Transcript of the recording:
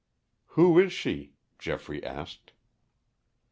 "Who is she?" Geoffrey asked.